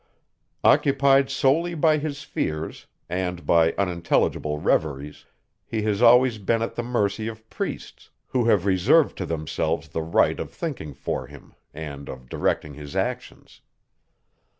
Occupied solely by his fears, and by unintelligible reveries, he has always been at the mercy of priests, who have reserved to themselves the right of thinking for him, and of directing his actions.